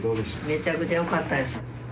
めちゃくちゃよかった。